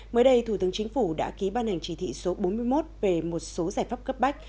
mới đây thủ tướng chính phủ đã ký ban hành chỉ thị số bốn mươi một về một số giải pháp cấp bách